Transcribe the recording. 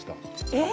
えっ？